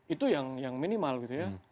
itu yang minimal gitu ya